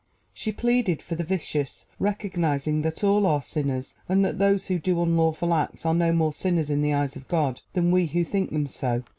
She pleaded for the vicious, recognizing that all are sinners and that those who do unlawful acts are no more sinners in the eyes of God than we who think them so.